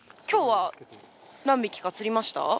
今日は何匹か釣りました？